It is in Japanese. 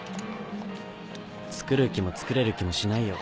つくる気もつくれる気もしないよ